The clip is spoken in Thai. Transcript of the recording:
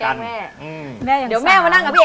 ชอบแกล้งแม่